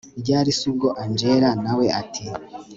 ryari se ubwo angella nawe ati